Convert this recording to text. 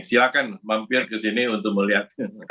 silahkan mampir kesini untuk melihat